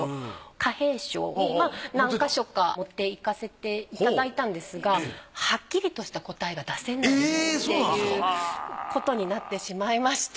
貨幣商に何か所か持っていかせていただいたんですがはっきりとした答えが出せないっていうことになってしまいまして